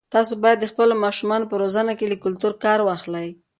تاسي باید د خپلو ماشومانو په روزنه کې له کلتور کار واخلئ.